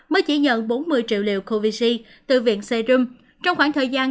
mới chỉ nhận bốn mươi triệu liều covici từ viện serum trong khoảng thời gian